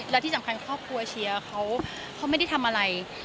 และที่สำคัญครอบครัวเชียร์เขาไม่ได้ทำอะไร